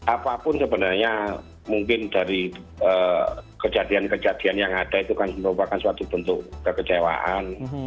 apapun sebenarnya mungkin dari kejadian kejadian yang ada itu kan merupakan suatu bentuk kekecewaan